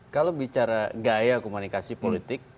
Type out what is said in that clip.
kalau bicara gaya komunikasi politik